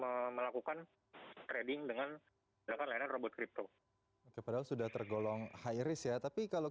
mereka melakukan trading dengan robot crypto padahal sudah tergolong high risk ya tapi kalau